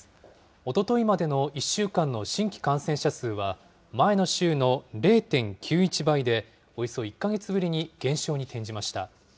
おとといまでの１週間の新規感染者数は、前の週の０．９１倍で、およそ１か月ぶりに減少に転じました。